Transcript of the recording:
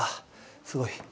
すごい。